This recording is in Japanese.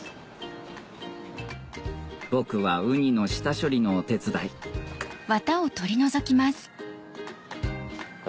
僕はウニの下処理のお手伝いですね。